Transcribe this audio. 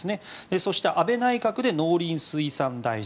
そして、安倍内閣で農林水産大臣。